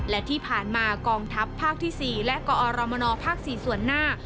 และที่ผ่านมากองทัพภาคที่๔และกอรมนภ๔ส่วนหน้า